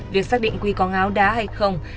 việc xác định quy có ngáo đá hay không